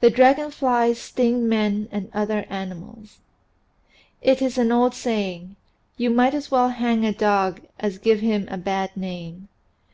THAT DRAGON FLIES STING MEN AND OTHER ANIMALS )T is an old saying, "You might as well hang a dog as give him a bad name."